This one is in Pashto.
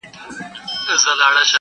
چي پرون مي د نيکونو وو، نن زما دی،،!